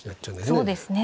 そうですね。